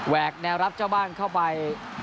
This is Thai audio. แนวรับเจ้าบ้านเข้าไป